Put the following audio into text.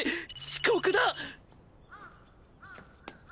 遅刻だ！